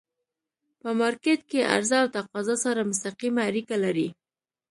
په مارکيټ کی عرضه او تقاضا سره مستقیمه اړیکه لري.